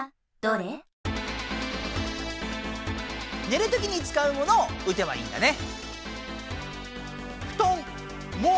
寝るときに使うものを撃てばいいんだね。